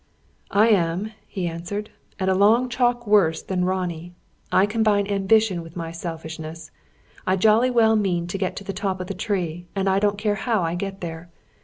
"I am," he answered; "and a long chalk worse than Ronnie. I combine ambition with my selfishness. I jolly well mean to get to the top of the tree, and I don't care how I get there.